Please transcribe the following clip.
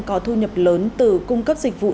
có thu nhập lớn từ cung cấp dịch vụ